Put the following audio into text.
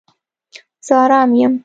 زه آرام یم